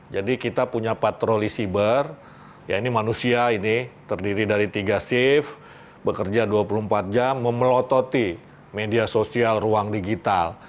jadi kita punya patroli cyber ya ini manusia ini terdiri dari tiga sif bekerja dua puluh empat jam memelototi media sosial ruang digital